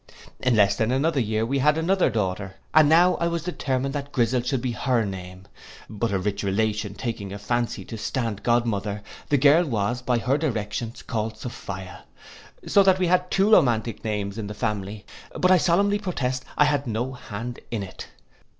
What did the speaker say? In less than another year we had another daughter, and now I was determined that Grissel should be her name; but a rich relation taking a fancy to stand godmother, the girl was, by her directions, called Sophia; so that we had two romantic names in the family; but I solemnly protest I had no hand in it.